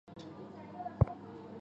运气很好